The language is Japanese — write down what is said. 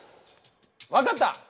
分かった！